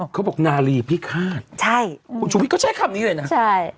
เขาบอกนาลีพิฆาตใช่คุณชุวิตก็ใช้คำนี้เลยนะใช่